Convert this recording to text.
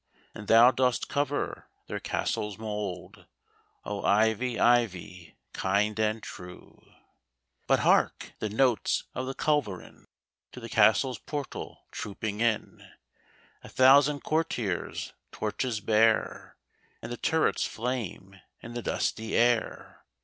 And thou dost cover their castle's mould, O, Ivy, Ivy, kind and true ! But hark ! the notes of the culverin ! To the Castle's portal, trooping in, A thousand courtiers torches bear. And the turrets flame in the dusty air.